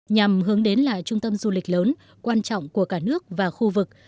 nhằm hướng đến lại trung tâm du lịch lớn quan trọng của cả nước và khu vực